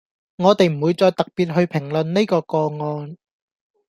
我哋唔會再特別去評論呢個個案